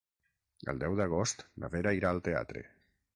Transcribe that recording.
El deu d'agost na Vera irà al teatre.